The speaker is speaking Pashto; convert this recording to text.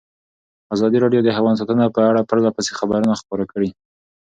ازادي راډیو د حیوان ساتنه په اړه پرله پسې خبرونه خپاره کړي.